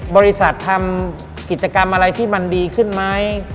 บริษัททำกิจกรรมอะไรที่มันดีขึ้นไหม